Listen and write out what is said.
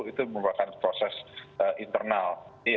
itu merupakan proses internal